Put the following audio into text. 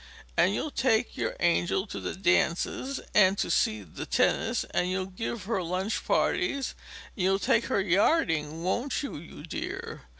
And you'll take your angel to the dances, and to see the tennis, and you'll give her lunch parties, and you'll take her yachting, won't you, you dear?